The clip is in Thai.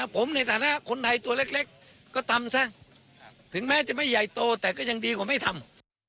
ผมในฐานะคนไทยตัวเล็กก็ทำซะถึงแม้จะไม่ใหญ่โตแต่ก็ยังดีกว่าไม่ทำ